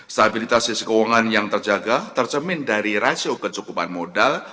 stabilitas sisi keuangan yang terjaga tercemin dari rasio kecukupan modal